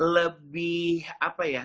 lebih apa ya